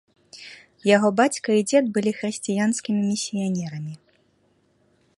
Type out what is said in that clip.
Яго бацька і дзед былі хрысціянскімі місіянерамі.